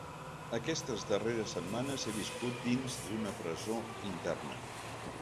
Aquestes darreres setmanes he viscut dins d’una presó interna.